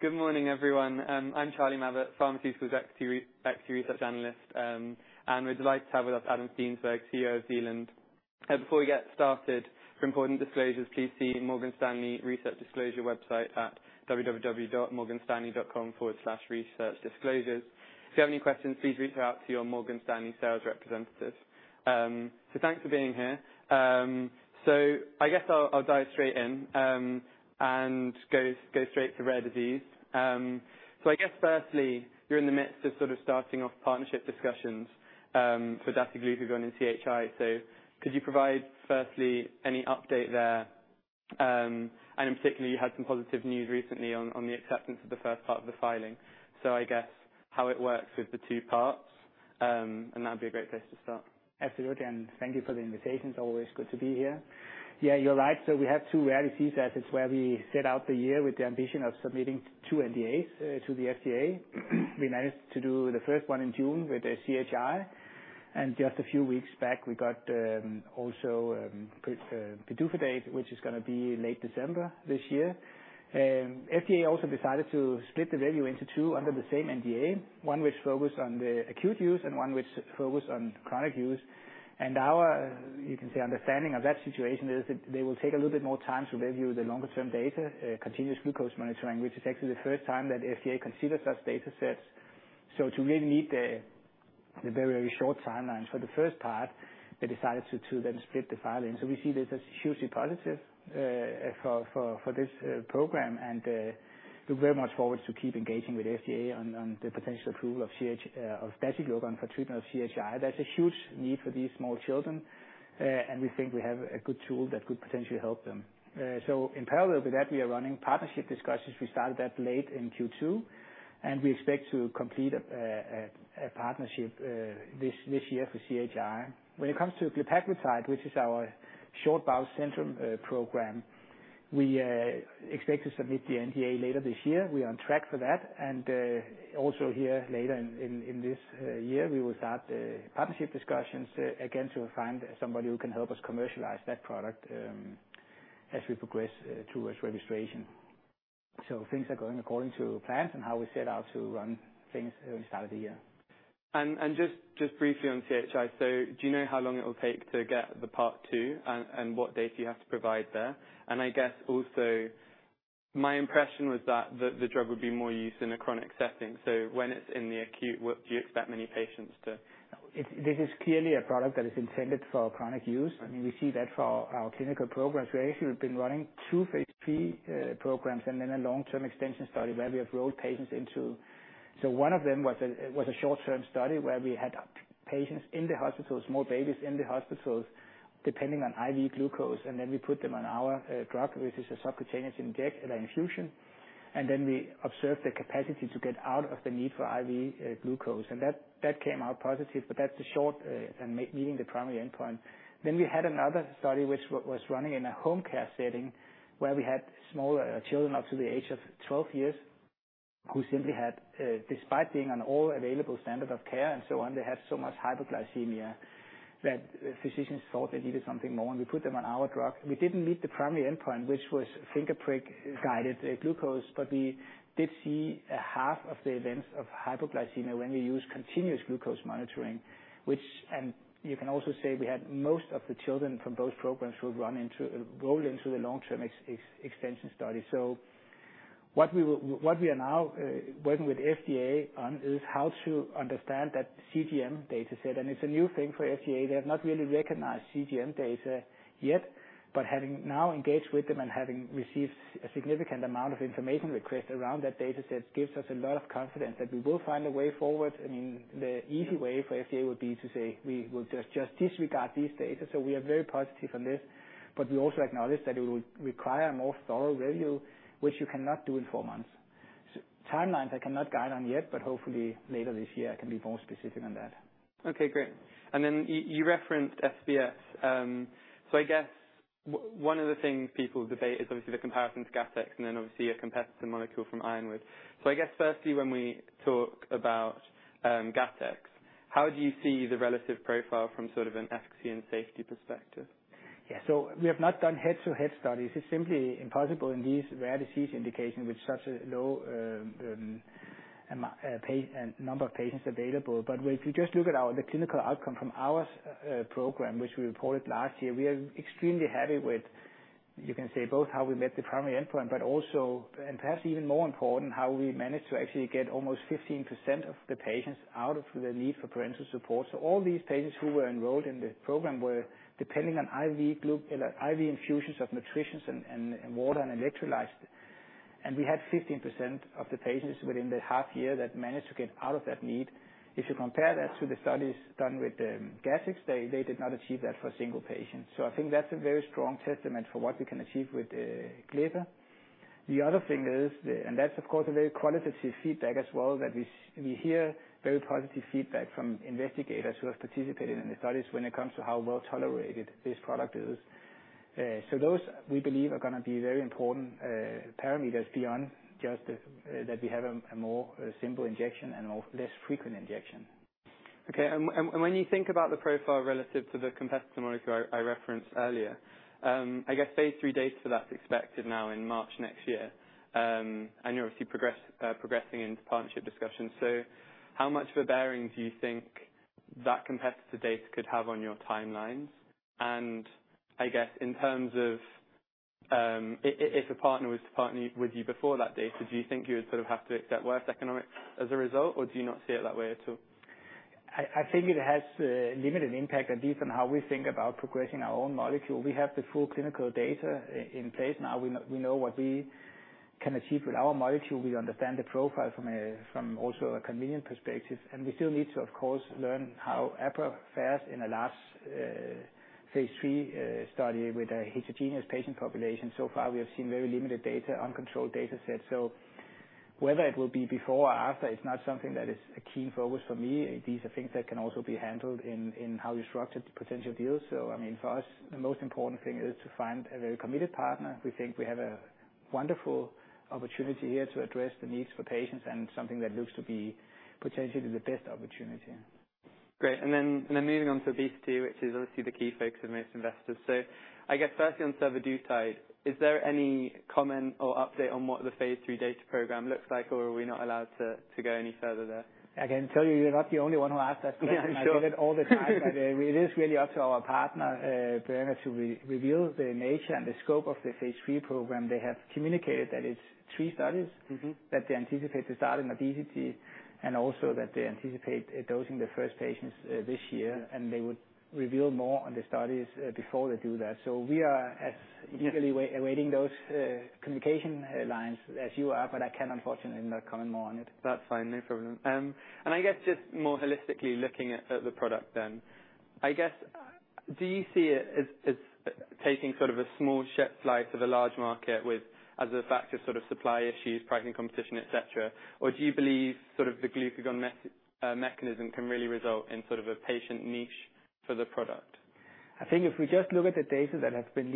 Good morning, everyone. I'm Charlie Mabbutt, pharmaceuticals equity research analyst. And we're delighted to have with us Adam Steensberg, CEO of Zealand. And before we get started, for important disclosures, please see Morgan Stanley research disclosure website at www.morganstanley.com/researchdisclosures. If you have any questions, please reach out to your Morgan Stanley sales representative. So thanks for being here. So I guess I'll dive straight in and go straight to rare disease. So I guess firstly, you're in the midst of sort of starting off partnership discussions for dasiglucagon and CHI. So could you provide firstly any update there? And in particular, you had some positive news recently on the acceptance of the first part of the filing. So I guess how it works with the two parts, and that'd be a great place to start. Absolutely, and thank you for the invitation. It's always good to be here. Yeah, you're right. So we have two rare disease, as it's where we set out the year with the ambition of submitting two NDAs to the FDA. We managed to do the first one in June with the CHI. And just a few weeks back, we got also good PDUFA Date, which is gonna be late December this year. FDA also decided to split the review into two under the same NDA, one which focused on the acute use and one which focused on chronic use. And our, you can say, understanding of that situation is that they will take a little bit more time to review the longer term data, continuous glucose monitoring, which is actually the first time that FDA considers such data sets. So to really meet the very, very short timelines for the first part, they decided to then split the filing. So we see this as hugely positive for this program and look very much forward to keep engaging with FDA on the potential approval of dasiglucagon for treatment of CHI. There's a huge need for these small children and we think we have a good tool that could potentially help them. So in parallel with that, we are running partnership discussions. We started that late in Q2, and we expect to complete a partnership this year for CHI. When it comes to glepaglutide, which is our short bowel syndrome program, we expect to submit the NDA later this year. We are on track for that. And also here, later in this year, we will start partnership discussions again to find somebody who can help us commercialize that product, as we progress towards registration. Things are going according to plan and how we set out to run things at the start of the year. Just briefly on CHI, so do you know how long it will take to get the part two and what data you have to provide there? And I guess also, my impression was that the drug would be more used in a chronic setting. So when it's in the acute, what do you expect many patients to? This is clearly a product that is intended for chronic use. I mean, we see that for our clinical programs. We actually have been running two phase III programs and then a long-term extension study where we have enrolled patients into. So one of them was a short-term study where we had patients in the hospitals, small babies in the hospitals, depending on IV glucose, and then we put them on our drug, which is a subcutaneous infusion, and then we observed the capacity to get out of the need for IV glucose. And that came out positive, but that's the short and meeting the primary endpoint. Then we had another study which was running in a home care setting, where we had small children up to the age of 12 years, who simply had, despite being on all available standard of care and so on, they had so much hypoglycemia that physicians thought they needed something more, and we put them on our drug. We didn't meet the primary endpoint, which was finger prick-guided glucose, but we did see a half of the events of hypoglycemia when we used continuous glucose monitoring, and you can also say we had most of the children from both programs who roll into the long-term extension study. What we are now working with FDA on is how to understand that CGM data set. And it's a new thing for FDA. They have not really recognized CGM data yet, but having now engaged with them and having received a significant amount of information request around that data set, gives us a lot of confidence that we will find a way forward. I mean, the easy way for FDA would be to say, "We will just, just disregard this data." So we are very positive on this, but we also acknowledge that it will require a more thorough review, which you cannot do in four months. So timelines I cannot guide on yet, but hopefully later this year, I can be more specific on that. Okay, great. And then you referenced SBS. So I guess one of the things people debate is obviously the comparison to Gattex, and then obviously a competitor molecule from Ironwood. So I guess firstly, when we talk about Gattex, how do you see the relative profile from sort of an efficacy and safety perspective? Yeah. So we have not done head-to-head studies. It's simply impossible in these rare disease indications with such a low number of patients available. But if you just look at our clinical outcome from our program, which we reported last year, we are extremely happy with. You can say both how we met the primary endpoint, but also, and perhaps even more important, how we managed to actually get almost 15% of the patients out of the need for parenteral support. So all these patients who were enrolled in the program were depending on IV infusions of nutrition and water and electrolytes. And we had 15% of the patients within the half year that managed to get out of that need. If you compare that to the studies done with Gattex, they did not achieve that for a single patient. So I think that's a very strong testament for what we can achieve with glepaglutide. The other thing is, and that's of course a very qualitative feedback as well, that we hear very positive feedback from investigators who have participated in the studies when it comes to how well tolerated this product is. So those, we believe, are gonna be very important parameters beyond just that we have a more simple injection and more less frequent injection. Okay, and when you think about the profile relative to the competitor molecule I referenced earlier, I guess phase III data for that is expected now in March next year. And you're obviously progressing into partnership discussions. So how much of a bearing do you think that competitor data could have on your timelines? And I guess in terms of, if a partner was to partner with you before that date, do you think you would sort of have to accept worse economics as a result, or do you not see it that way at all? I think it has a limited impact at least on how we think about progressing our own molecule. We have the full clinical data in place now. We know what we can achieve with our molecule. We understand the profile from a convenient perspective, and we still need to of course learn how apraglutide fares in the last phase III study with a heterogeneous patient population. So far, we have seen very limited data, uncontrolled data set. So whether it will be before or after, it's not something that is a key focus for me. These are things that can also be handled in how you structure the potential deal. So I mean, for us, the most important thing is to find a very committed partner. We think we have a wonderful opportunity here to address the needs for patients and something that looks to be potentially the best opportunity. Great. And then, and then moving on to obesity, which is obviously the key focus of most investors. So I guess firstly on survodutide, is there any comment or update on what the phase III data program looks like, or are we not allowed to, to go any further there? I can tell you, you're not the only one who asked that question. Yeah, sure. I get it all the time, but it is really up to our partner, Boehringer, to reveal the nature and the scope of the phase III program. They have communicated that it's three studies. Mm-hmm. that they anticipate to start in obesity, and also that they anticipate dosing the first patients, this year, and they would reveal more on the studies, before they do that. So we are as eagerly awaiting those, communication lines as you are, but I cannot unfortunately not comment more on it. That's fine. No problem. And I guess just more holistically looking at the product then, I guess, do you see it as taking sort of a small share slice of a large market with as a factor of sort of supply issues, pricing, competition, et cetera? Or do you believe sort of the glucagon mechanism can really result in sort of a patient niche for the product? I think if we just look at the data that has been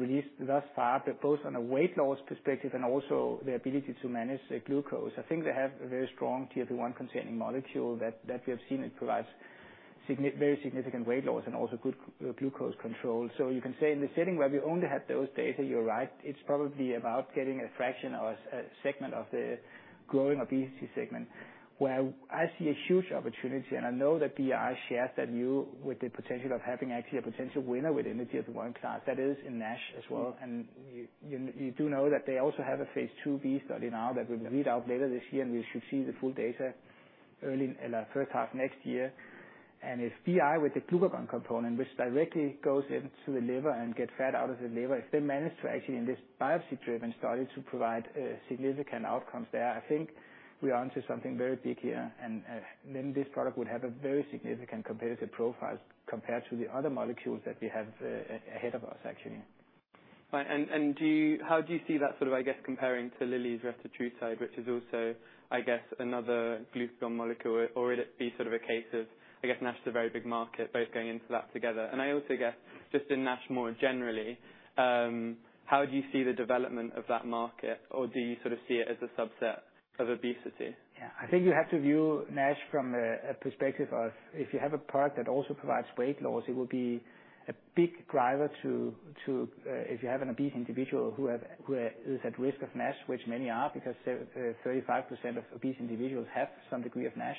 released thus far, but both on a weight loss perspective and also the ability to manage the glucose, I think they have a very strong GLP-1 containing molecule that we have seen it provides very significant weight loss and also good glucose control. So you can say in the setting where we only have those data, you're right, it's probably about getting a fraction or a segment of the growing obesity segment. Where I see a huge opportunity, and I know that BI shares that view, with the potential of having actually a potential winner within the GLP-1 class, that is in NASH as well. You do know that they also have a phase II-B study now that will read out later this year, and we should see the full data early in the first half next year. And if BI with the glucagon component, which directly goes into the liver and get fat out of the liver, if they manage to actually in this biopsy-driven study to provide significant outcomes there, I think we are onto something very big here. And then this product would have a very significant competitive profile compared to the other molecules that we have ahead of us, actually. Right. And do you, how do you see that sort of, I guess, comparing to Lilly's retatrutide, which is also, I guess, another glucagon molecule, or would it be sort of a case of, I guess, NASH is a very big market, both going into that together? And I also guess, just in NASH more generally, how do you see the development of that market, or do you sort of see it as a subset of obesity? Yeah. I think you have to view NASH from a perspective of if you have a product that also provides weight loss, it will be a big driver to, to, if you have an obese individual who have - who is at risk of NASH, which many are, because th- thirty-five percent of obese individuals have some degree of NASH.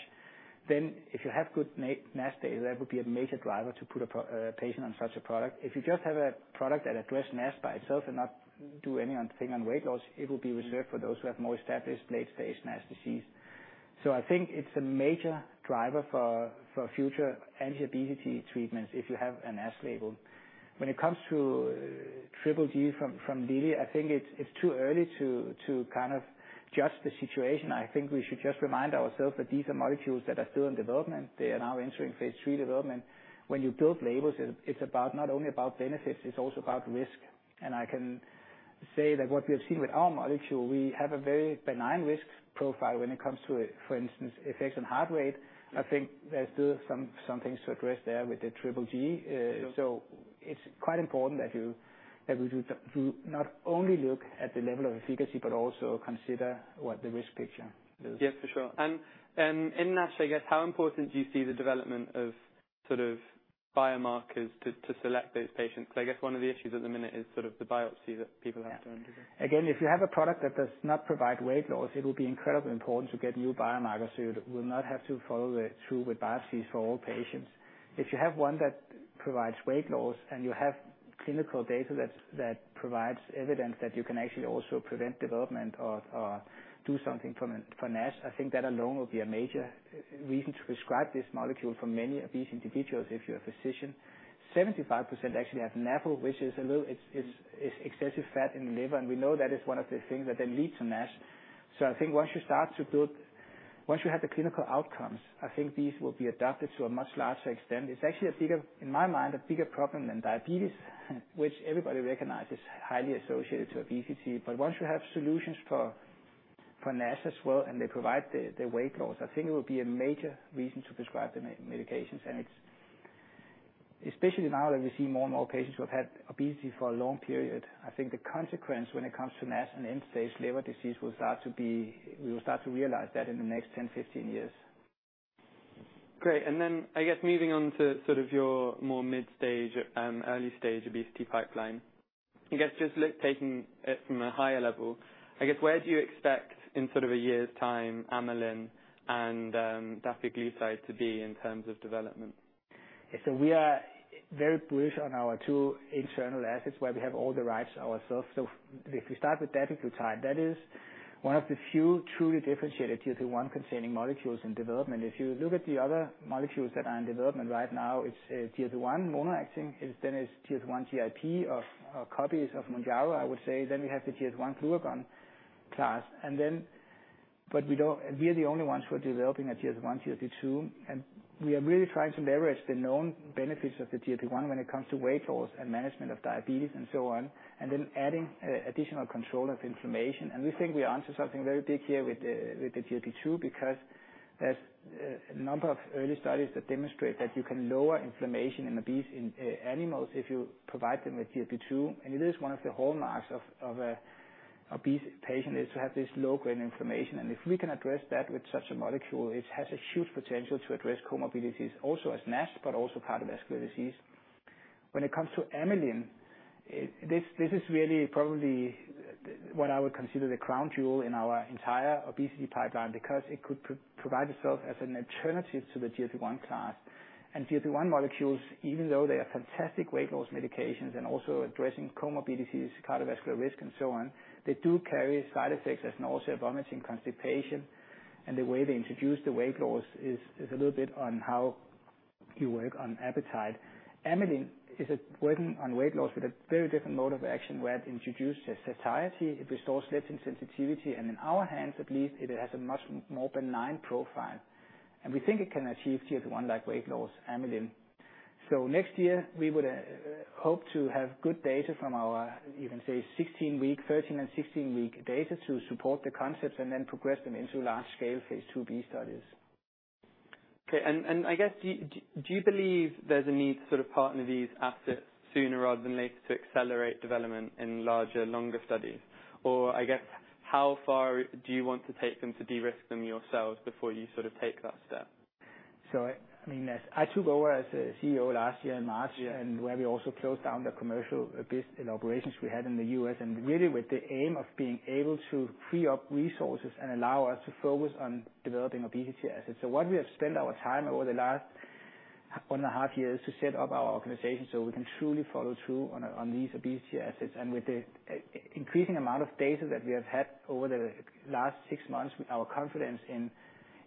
Then if you have good NASH data, that would be a major driver to put a patient on such a product. If you just have a product that address NASH by itself and not do anything on weight loss, it will be reserved for those who have more established late-stage NASH disease. So I think it's a major driver for future anti-obesity treatments if you have a NASH label. When it comes to triple G from Lilly, I think it's too early to kind of judge the situation. I think we should just remind ourselves that these are molecules that are still in development. They are now entering phase III development. When you build labels, it's about not only about benefits, it's also about risk. And I can say that what we have seen with our molecule, we have a very benign risk profile when it comes to, for instance, effects on heart rate. I think there's still some things to address there with the triple G. So it's quite important that we do to not only look at the level of efficacy, but also consider what the risk picture is. Yeah, for sure. And, and in NASH, I guess, how important do you see the development of sort of biomarkers to, to select those patients? I guess one of the issues at the minute is sort of the biopsy that people have to undergo. Again, if you have a product that does not provide weight loss, it will be incredibly important to get new biomarkers so you will not have to follow it through with biopsies for all patients. If you have one that provides weight loss and you have clinical data that provides evidence that you can actually also prevent development or do something for NASH, I think that alone will be a major reason to prescribe this molecule for many obese individuals if you're a physician. 75% actually have NAFLD, which is a little, it's excessive fat in the liver, and we know that is one of the things that then leads to NASH. So I think once you start to build... Once you have the clinical outcomes, I think these will be adapted to a much larger extent. It's actually a bigger, in my mind, a bigger problem than diabetes, which everybody recognizes, highly associated to obesity. But once you have solutions for, for NASH as well, and they provide the, the weight loss, I think it will be a major reason to prescribe the me- medications. And it's, especially now that we see more and more patients who have had obesity for a long period, I think the consequence when it comes to NASH and end-stage liver disease will start to be, we will start to realize that in the next 10, 15 years. Great. I guess moving on to sort of your more mid-stage, early stage obesity pipeline. I guess just look, taking it from a higher level, I guess, where do you expect in sort of a year's time, amylin and dapiglutide to be in terms of development? So we are very bullish on our two internal assets where we have all the rights ourselves. So if we start with dapiglutide, that is one of the few truly differentiated GLP-1 containing molecules in development. If you look at the other molecules that are in development right now, it's a GLP-1 mono-acting, it then is GLP-1/GIP, copies of Mounjaro, I would say. Then we have the GLP-1 glucagon class, and then—but we don't—we are the only ones who are developing a GLP-1, GLP-2, and we are really trying to leverage the known benefits of the GLP-1 when it comes to weight loss and management of diabetes and so on, and then adding additional control of inflammation. We think we are onto something very big here with the GLP-2, because there's a number of early studies that demonstrate that you can lower inflammation in obese animals if you provide them with GLP-2. And it is one of the hallmarks of a obese patient, is to have this low-grade inflammation. And if we can address that with such a molecule, it has a huge potential to address comorbidities, also as NASH, but also cardiovascular disease. When it comes to amylin, this is really probably what I would consider the crown jewel in our entire obesity pipeline, because it could provide itself as an alternative to the GLP-1 class. GLP-1 molecules, even though they are fantastic weight loss medications and also addressing comorbidities, cardiovascular risk, and so on, they do carry side effects as nausea, vomiting, constipation, and the way they introduce the weight loss is a little bit on how you work on appetite. Amylin is a working on weight loss with a very different mode of action, where it introduces satiety, it restores insulin sensitivity, and in our hands at least, it has a much more benign profile. And we think it can achieve GLP-1-like weight loss, amylin. So next year we would hope to have good data from our, you can say 16-week, 13- and 16-week data to support the concepts and then progress them into large-scale phase II-B studies. Okay, I guess, do you believe there's a need to sort of partner these assets sooner rather than later to accelerate development in larger, longer studies? Or I guess, how far do you want to take them to de-risk them yourselves before you sort of take that step? I mean, as I took over as a CEO last year in March- Yeah. and where we also closed down the commercial obesity operations we had in the U.S., and really with the aim of being able to free up resources and allow us to focus on developing obesity assets. So what we have spent our time over the last 1.5 years to set up our organization so we can truly follow through on these obesity assets. And with the increasing amount of data that we have had over the last 6 months, our confidence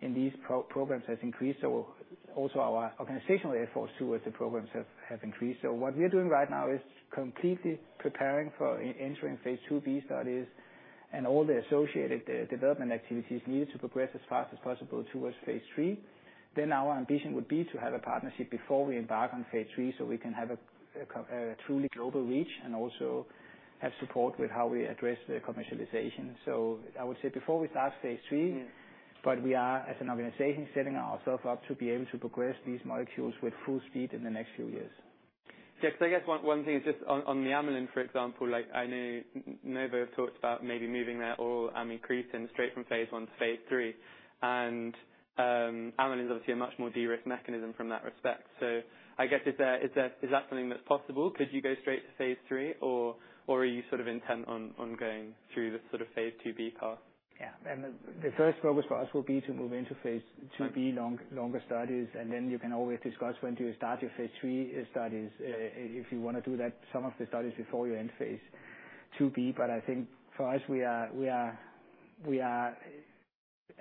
in these programs has increased. So also our organizational efforts towards the programs have increased. So what we are doing right now is completely preparing for entering phase II-B studies and all the associated development activities needed to progress as fast as possible towards phase III. Then our ambition would be to have a partnership before we embark on phase III, so we can have a truly global reach and also have support with how we address the commercialization. So I would say before we start phase III. Yeah. But we are, as an organization, setting ourselves up to be able to progress these molecules with full speed in the next few years. Yeah, so I guess one thing is just on the amylin, for example, like I know Novo have talked about maybe moving their all incretin straight from phase I to phase III. And amylin is obviously a much more de-risked mechanism from that respect. So I guess, is that something that's possible? Could you go straight to phase III, or are you sort of intent on going through the sort of phase II-B path? Yeah. And the first focus for us will be to move into phase II-B longer studies, and then you can always discuss when to start your phase III studies, if you wanna do that, some of the studies before you end phase II-B. But I think for us, we are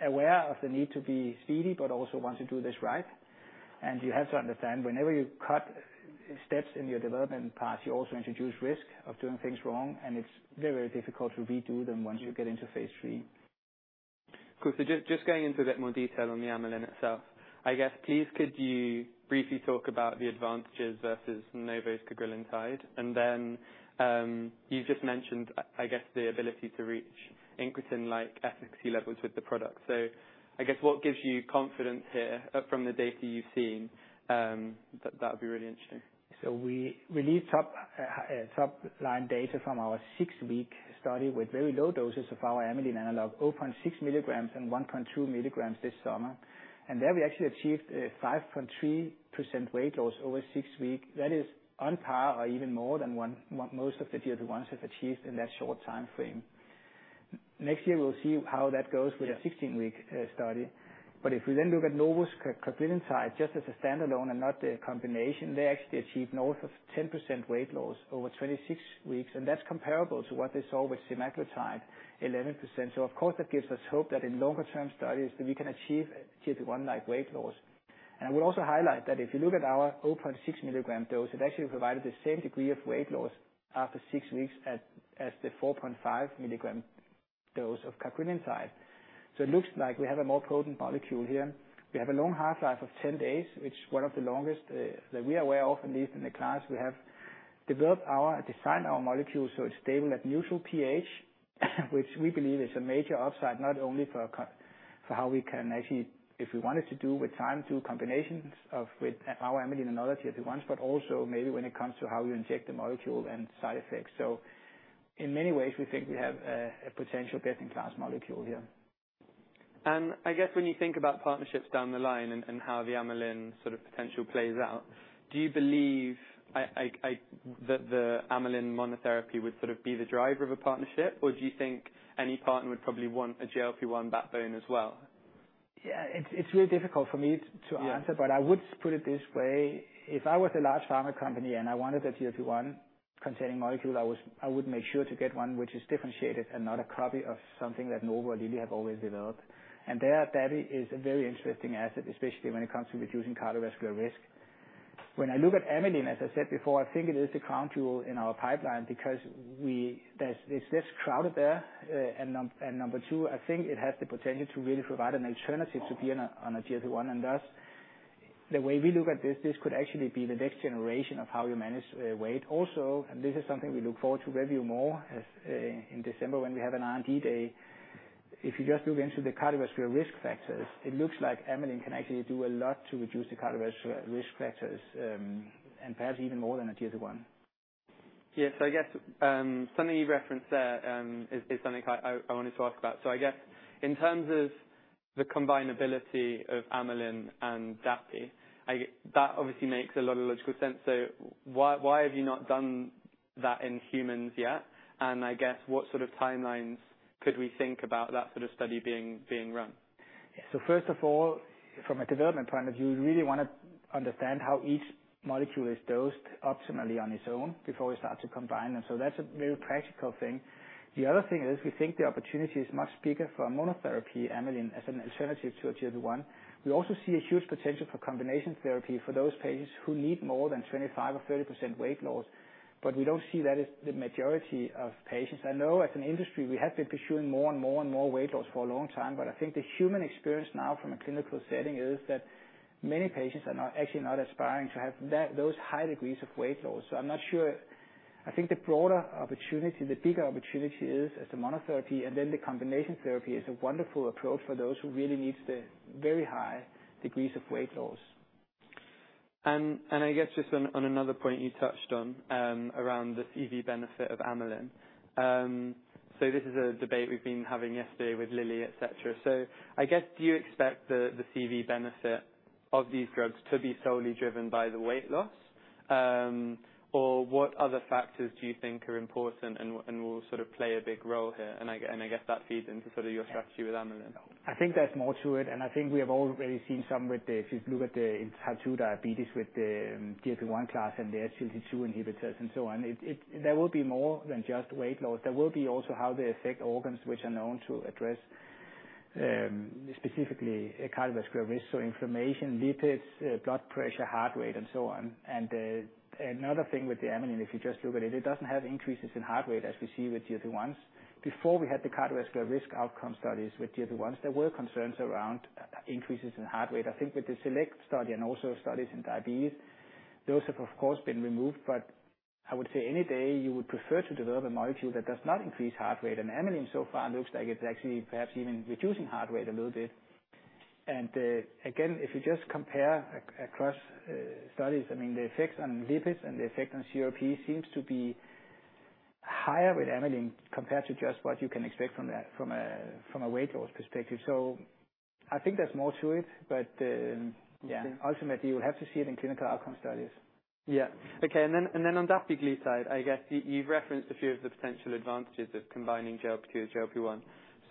aware of the need to be speedy, but also want to do this right. And you have to understand, whenever you cut steps in your development path, you also introduce risk of doing things wrong, and it's very difficult to redo them once you get into phase III. Cool. So just going into a bit more detail on the amylin itself, I guess please could you briefly talk about the advantages versus Novo's cagrilintide? And then, you just mentioned, I guess the ability to reach incretin-like efficacy levels with the product. So I guess, what gives you confidence here from the data you've seen? That would be really interesting. So we released top-line data from our six-week study with very low doses of our amylin analog, 0.6 milligrams and 1.2 milligrams this summer. And there we actually achieved a 5.3% weight loss over six weeks. That is on par or even more than most of the GLP-1s have achieved in that short timeframe. Next year, we'll see how that goes with- Yeah A 16-week study. But if we then look at Novo's cagrilintide just as a standalone and not the combination, they actually achieved north of 10% weight loss over 26 weeks, and that's comparable to what they saw with semaglutide, 11%. So of course, that gives us hope that in longer term studies, that we can achieve GLP-1-like weight loss. And I will also highlight that if you look at our 0.6 milligram dose, it actually provided the same degree of weight loss after 6 weeks as the 4.5 milligram dose of cagrilintide. So it looks like we have a more potent molecule here. We have a long half-life of 10 days, which is one of the longest that we are aware of, at least in the class we have. develop our design our molecule, so it's stable at neutral pH, which we believe is a major upside, not only for how we can actually, if we wanted to do with time, do combinations with our amylin analog if we want, but also maybe when it comes to how you inject the molecule and side effects. So in many ways, we think we have a potential best-in-class molecule here. I guess when you think about partnerships down the line and how the amylin sort of potential plays out, do you believe that the amylin monotherapy would sort of be the driver of a partnership? Or do you think any partner would probably want a GLP-1 backbone as well? Yeah, it's really difficult for me to answer- Yeah. But I would put it this way: If I was a large pharma company and I wanted a GLP-1 containing molecule, I would, I would make sure to get one which is differentiated and not a copy of something that Novo or Lilly have already developed. And there, that is a very interesting asset, especially when it comes to reducing cardiovascular risk. When I look at amylin, as I said before, I think it is a crown jewel in our pipeline because we, there's, it's less crowded there. And number two, I think it has the potential to really provide an alternative to be on a, on a GLP-1. And thus, the way we look at this, this could actually be the next generation of how you manage weight. Also, this is something we look forward to review more as in December, when we have an R&D day. If you just look into the cardiovascular risk factors, it looks like amylin can actually do a lot to reduce the cardiovascular risk factors, and perhaps even more than a GLP-1. Yes. So I guess, something you referenced there, is something I wanted to ask about. So I guess in terms of the combinability of amylin and DAPI, I guess that obviously makes a lot of logical sense. So why, why have you not done that in humans yet? And I guess, what sort of timelines could we think about that sort of study being run? So first of all, from a development point of view, we really wanna understand how each molecule is dosed optimally on its own before we start to combine them. So that's a very practical thing. The other thing is, we think the opportunity is much bigger for a monotherapy amylin as an alternative to a GLP-1. We also see a huge potential for combination therapy for those patients who need more than 25% or 30% weight loss, but we don't see that as the majority of patients. I know as an industry, we have been pursuing more and more and more weight loss for a long time, but I think the human experience now from a clinical setting is that many patients are not, actually not aspiring to have that, those high degrees of weight loss. So I'm not sure. I think the broader opportunity, the bigger opportunity is as a monotherapy, and then the combination therapy is a wonderful approach for those who really need the very high degrees of weight loss. And I guess just on another point you touched on, around the CV benefit of amylin. So this is a debate we've been having yesterday with Lilly, et cetera. So I guess, do you expect the CV benefit of these drugs to be solely driven by the weight loss? Or what other factors do you think are important and will sort of play a big role here? And I guess that feeds into sort of your strategy with amylin. I think there's more to it, and I think we have already seen some with the, if you look at the type two diabetes with the GLP-1 class and the SGLT2 inhibitors and so on, it there will be more than just weight loss. There will be also how they affect organs, which are known to address specifically cardiovascular risk, so inflammation, lipids, blood pressure, heart rate, and so on. And another thing with the amylin, if you just look at it, it doesn't have increases in heart rate as we see with GLP-1. Before we had the cardiovascular risk outcome studies with GLP-1, there were concerns around increases in heart rate. I think with the SELECT study and also studies in diabetes, those have, of course, been removed, but I would say any day you would prefer to develop a molecule that does not increase heart rate, and amylin so far looks like it's actually perhaps even reducing heart rate a little bit. Again, if you just compare across studies, I mean, the effect on lipids and the effect on CRP seems to be higher with amylin compared to just what you can expect from that, from a weight loss perspective. So I think there's more to it, but- Yeah Ultimately, you will have to see it in clinical outcome studies. Yeah. Okay, then on that GLP side, I guess you've referenced a few of the potential advantages of combining GLP-2, GLP-1.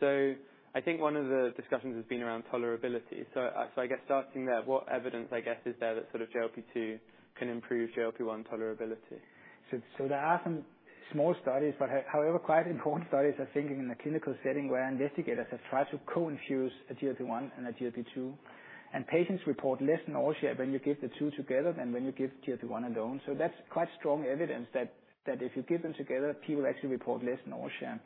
So I think one of the discussions has been around tolerability. So I guess starting there, what evidence is there that sort of GLP-2 can improve GLP-1 tolerability? So, so there are some small studies, but however, quite important studies, I think, in the clinical setting, where investigators have tried to co-infuse a GLP-1 and a GLP-2, and patients report less nausea when you give the two together than when you give GLP-1 alone. So that's quite strong evidence that, that if you give them together, people actually report less nausea.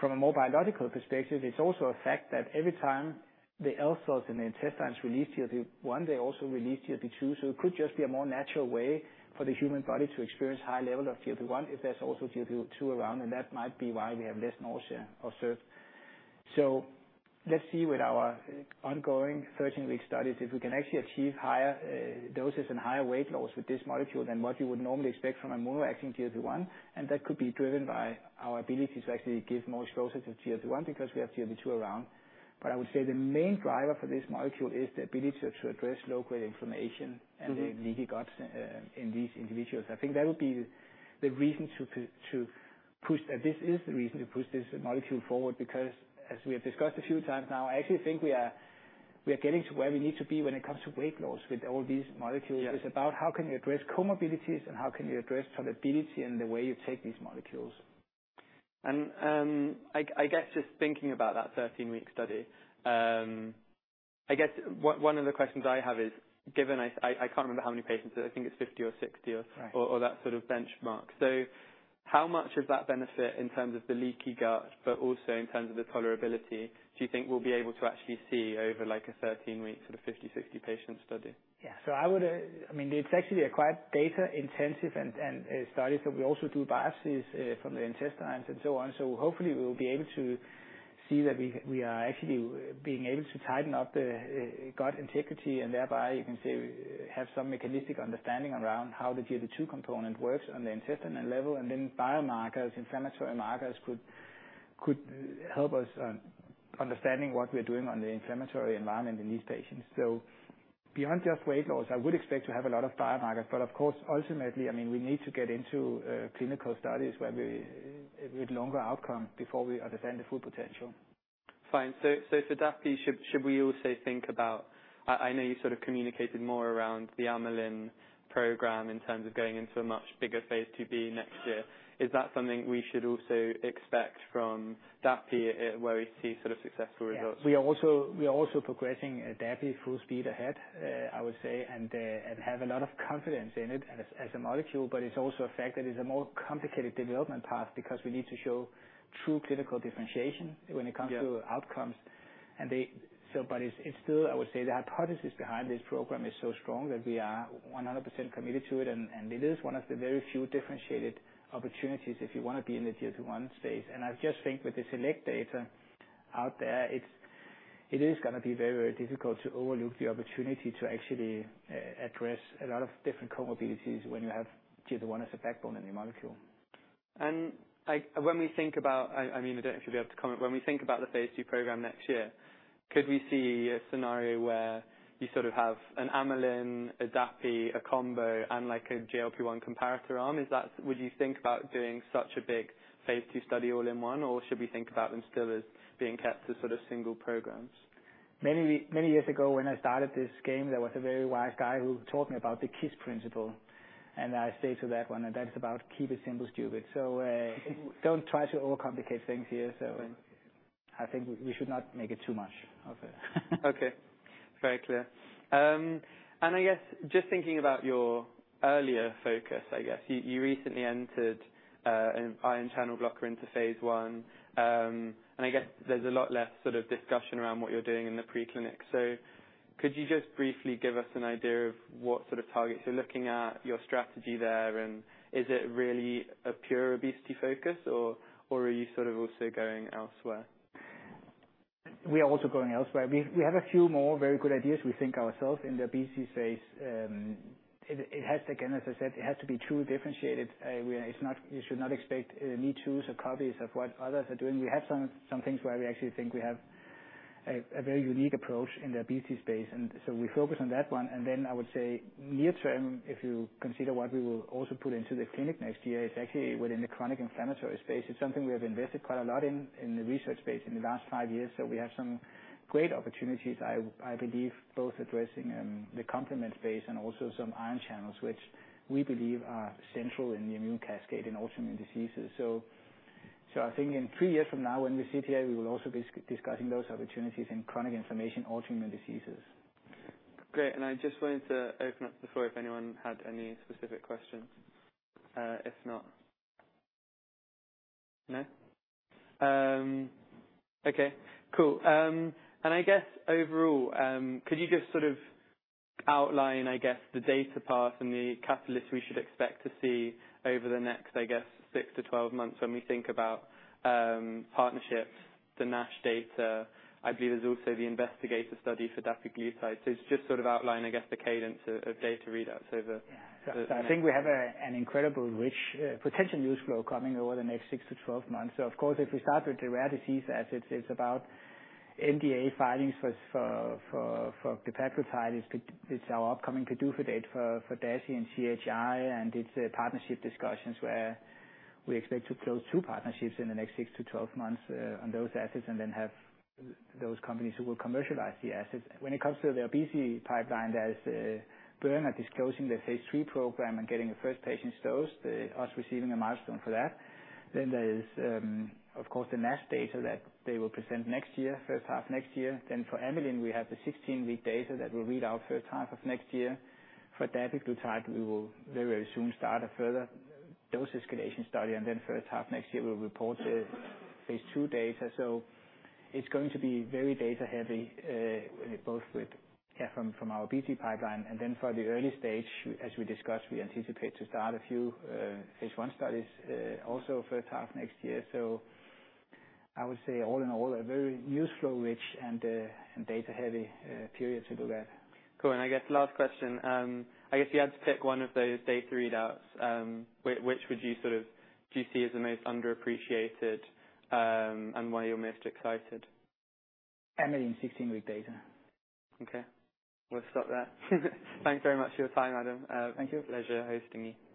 From a more biological perspective, it's also a fact that every time the L-cells in the intestines release GLP-1, they also release GLP-2, so it could just be a more natural way for the human body to experience high level of GLP-1 if there's also GLP-2 around, and that might be why we have less nausea observed. So let's see with our ongoing 13-week studies, if we can actually achieve higher doses and higher weight loss with this molecule than what you would normally expect from a mono-acting GLP-1, and that could be driven by our ability to actually give more doses of GLP-1 because we have GLP-2 around. But I would say the main driver for this molecule is the ability to address low-grade inflammation- Mm-hmm. and the leaky guts in these individuals. I think that would be the reason to push this molecule forward, because as we have discussed a few times now, I actually think we are getting to where we need to be when it comes to weight loss with all these molecules. Yeah. It's about how can you address comorbidities and how can you address tolerability and the way you take these molecules. I guess just thinking about that 13-week study, I guess one of the questions I have is, given I can't remember how many patients, I think it's 50 or 60 or- Right Or that sort of benchmark. How much of that benefit in terms of the leaky gut, but also in terms of the tolerability, do you think we'll be able to actually see over, like, a 13-week sort of 50, 60 patient study? Yeah. So I would, I mean, it's actually a quite data-intensive and study, so we also do biopsies from the intestines and so on. So hopefully we'll be able to see that we are actually being able to tighten up the gut integrity, and thereby you can say, we have some mechanistic understanding around how the GLP-2 component works on the intestinal level. And then biomarkers, inflammatory markers, could help us on understanding what we are doing on the inflammatory environment in these patients. So beyond just weight loss, I would expect to have a lot of biomarkers. But of course, ultimately, I mean, we need to get into clinical studies where we with longer outcome before we understand the full potential. Fine. So for DAPI, should we also think about, I know you sort of communicated more around the Amylin program in terms of going into a much bigger phase II-B next year. Is that something we should also expect from DAPI, where we see sort of successful results? Yeah. We are also progressing, DAPI, full speed ahead, I would say, and have a lot of confidence in it as a molecule. But it's also a fact that it's a more complicated development path, because we need to show true clinical differentiation when it comes- Yeah To outcomes. But it's still, I would say, the hypothesis behind this program is so strong that we are 100% committed to it, and it is one of the very few differentiated opportunities if you wanna be in the GLP-1 space. And I just think with the select data out there, it is gonna be very difficult to overlook the opportunity to actually address a lot of different comorbidities when you have GLP-1 as a backbone in your molecule. When we think about, I mean, I don't know if you'll be able to comment. When we think about the phase II program next year, could we see a scenario where you sort of have an Amylin, a DAPI, a combo, and like a GLP-1 comparator arm? Is that, would you think about doing such a big phase II study all in one, or should we think about them still as being kept to sort of single programs? Many, many years ago, when I started this game, there was a very wise guy who taught me about the KISS principle, and I stay to that one, and that's about Keep It Simple, Stupid. So, don't try to overcomplicate things here. So I think we should not make it too much of it. Okay, very clear. And I guess just thinking about your earlier focus, I guess, you recently entered an ion channel blocker into phase I. And I guess there's a lot less sort of discussion around what you're doing in the preclinical. So could you just briefly give us an idea of what sort of targets you're looking at, your strategy there, and is it really a pure obesity focus, or are you sort of also going elsewhere? We are also going elsewhere. We have a few more very good ideas, we think ourselves, in the obesity space. It has, again, as I said, it has to be truly differentiated. We are. It's not, you should not expect me-toos or copies of what others are doing. We have some things where we actually think we have a very unique approach in the obesity space, and so we focus on that one. And then I would say near term, if you consider what we will also put into the clinic next year, it's actually within the chronic inflammatory space. It's something we have invested quite a lot in, in the research space in the last five years, so we have some great opportunities, I believe, both addressing the complement space and also some ion channels, which we believe are central in the immune cascade in autoimmune diseases. So I think in three years from now, when we sit here, we will also be discussing those opportunities in chronic inflammation, autoimmune diseases. Great. I just wanted to open up the floor if anyone had any specific questions. If not, No? Okay, cool. I guess overall, could you just sort of outline, I guess, the data path and the catalysts we should expect to see over the next, I guess, 6-12 months when we think about partnerships, the NASH data? I believe there's also the investigational study for dasiglucagon. Just sort of outline, I guess, the cadence of data readouts over the- Yeah. I think we have an incredible rich potential news flow coming over the next 6-12 months. So of course, if we start with the rare disease assets, it's about NDA filings for the glepaglutide. It's our upcoming PDUFA date for SBS and CHI, and it's partnership discussions where we expect to close 2 partnerships in the next 6-12 months on those assets, and then have those companies who will commercialize the assets. When it comes to the obesity pipeline, there's Boehringer disclosing the phase III program and getting the first patient dosed, us receiving a milestone for that. Then there is, of course, the NASH data that they will present next year, first half next year. Then for amylin, we have the 16-week data that will read out first half of next year. For dapiglutide, we will very soon start a further dose escalation study, and then first half next year, we'll report the phase II data. So it's going to be very data-heavy, both with, yeah, from our obesity pipeline. And then for the early stage, as we discussed, we anticipate to start a few phase I studies, also first half next year. So I would say, all in all, a very newsflow-rich and data-heavy period to do that. Cool. And I guess last question, I guess if you had to pick one of those data readouts, which would you sort of do you see as the most underappreciated, and why you're most excited? Amylin 16-week data. Okay. We'll stop there. Thanks very much for your time, Adam. Thank you. Pleasure hosting you.